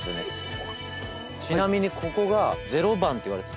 ちなみにここが。